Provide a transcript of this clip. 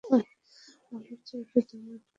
বালুর চাপে দম আটকে মারা যায়।